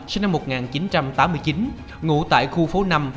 sinh năm một nghìn chín trăm ba mươi sáu